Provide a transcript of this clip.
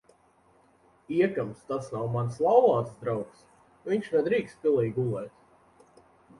Iekams tas nav mans laulāts draugs, viņš nedrīkst pilī gulēt.